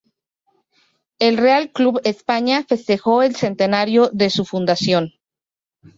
El Real Club España festejo el Centenario de su fundación.